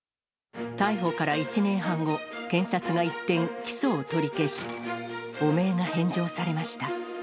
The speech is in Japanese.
逮捕から１年半後、検察が一転、起訴を取り消し、汚名が返上されました。